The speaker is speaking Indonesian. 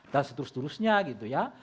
dan seterusnya gitu ya